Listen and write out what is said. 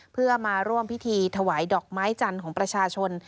เพื่อมาร่วมพิธีถวายดอกไม้จันทร์ของประชาชน